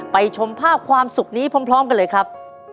ชมภาพความสุขนี้พร้อมกันเลยครับ